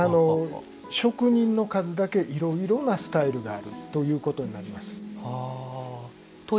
職人の数だけいろいろなスタイルがあるということになります。